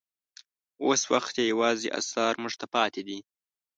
اوس وخت یې یوازې اثار موږ ته پاتې دي.